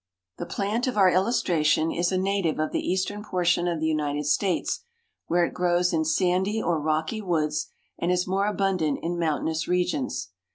The plant of our illustration is a native of the eastern portion of the United States, where it grows in sandy or rocky woods and is more abundant in mountainous regions.